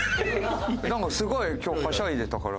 なんかすごい今日はしゃいでたから。